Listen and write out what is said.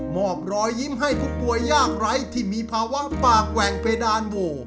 อบรอยยิ้มให้ผู้ป่วยยากไร้ที่มีภาวะปากแหว่งเพดานโว